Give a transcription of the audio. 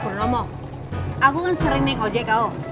purnomo aku kan sering naik ojeko